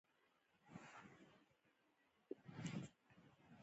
د معارف نصاب له امله په بلخ، کندز، او هرات کې